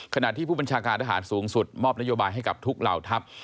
ขณะที่ผู้บัญชาการทหารสูงสุดมอบนโยบายให้กับทุกเหล่าทัพ